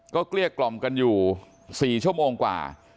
เกลี้ยกล่อมกันอยู่๔ชั่วโมงกว่า